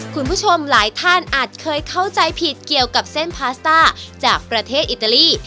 คุณผู้ชมหลายท่านอาจเคยเข้าใจผิดเกี่ยวกับเส้นพาสต้าจากประเทศอิตาลี